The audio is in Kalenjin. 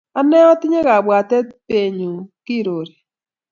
ane atinye kabwatet be nyu, kirori